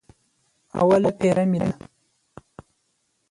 اوله پېره مې ده.